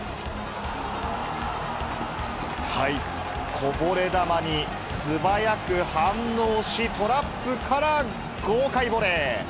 こぼれ球に素早く反応し、トラップから豪快ボレー。